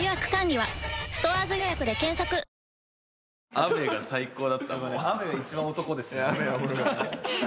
・雨が最高だった・雨が一番漢ですね。